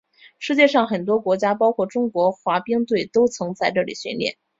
世界上很多国家包括中国的滑冰队都曾在这里训练。